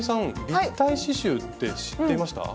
立体刺しゅうって知っていました？